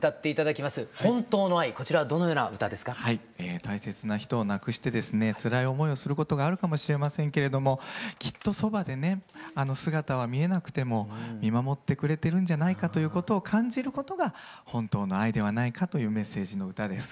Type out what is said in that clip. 大切な人を亡くしてですねつらい思いをすることがあるかもしれませんけれどもきっとそばでね姿は見えなくても見守ってくれてるんじゃないかということを感じることが本当の愛ではないかというメッセージの歌です。